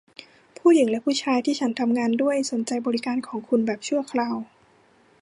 ผู้หญิงและผู้ชายที่ฉันทำงานด้วยสนใจบริการของคุณแบบชั่วคราว